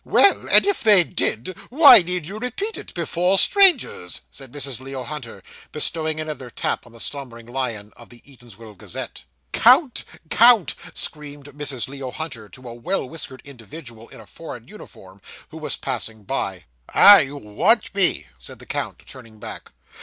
'Well, and if they did, why need you repeat it, before strangers?' said Mrs. Leo Hunter, bestowing another tap on the slumbering lion of the Eatanswill Gazette. 'Count, count,' screamed Mrs. Leo Hunter to a well whiskered individual in a foreign uniform, who was passing by. 'Ah! you want me?' said the count, turning back.